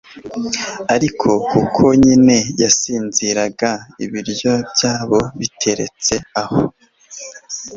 ariko kuko nyine yasinziraga, ibiryo byayo biteretse aho